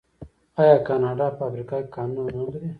آیا کاناډا په افریقا کې کانونه نلري؟